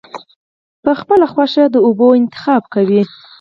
پۀ خپله خوښه د اوبو انتخاب کوي -